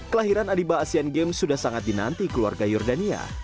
kelahiran adiba asian games sudah sangat dinanti keluarga yordania